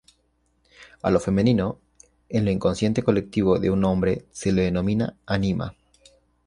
A lo "femenino", en lo inconsciente colectivo de un hombre, se le denominó ánima.